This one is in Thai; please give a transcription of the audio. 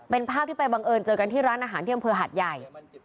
เป็นภาพที่ไปบังเอิญเจอกันที่ร้านอาหารที่อำเภอหัดใหญ่